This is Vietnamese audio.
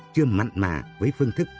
chưa mạnh mà với phương thức